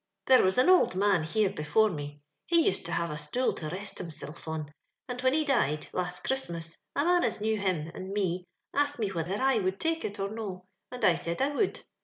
*' There was an ould man here before me. He used to have a stool to rest himsilf on, and whin he died, last Christmas, a man as knew him and me asked me whitlicr I would take it or no, and I said I would.